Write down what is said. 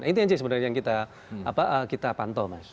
itu aja sebenarnya yang kita pantau mas